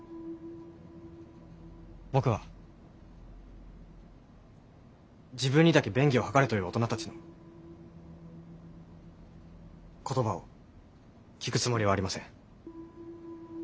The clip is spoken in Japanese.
僕は自分にだけ便宜を図れという大人たちの言葉を聞くつもりはありません。